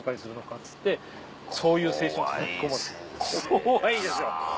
怖いですよ。